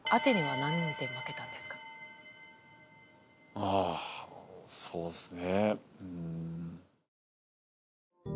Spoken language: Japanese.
あぁそうっすね。